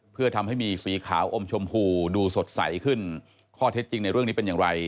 เพื่อทำให้มีสีขาวอมชมพูดูสดใสขึ้นข้อเท็จจริงในเรื่องนี้เป็นอย่างไร